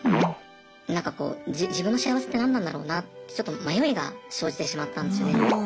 なんかこう自分の幸せって何なんだろうなってちょっと迷いが生じてしまったんですよね。